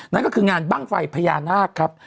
นั่นก็คืองานบ้างไฟพญานาคครับ